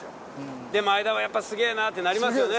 で前田はやっぱりすげえなってなりますよね。